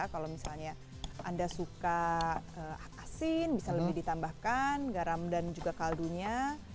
kalau misalnya anda suka asin bisa lebih ditambahkan garam dan juga kaldunya